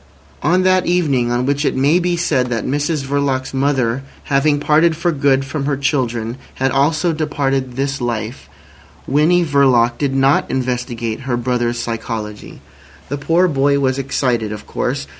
On that evening on which it may be said that Mrs Verloc's mother having parted for good from her children had also departed this life, Winnie Verloc did not investigate her brother's psychology. The poor boy was excited, of course.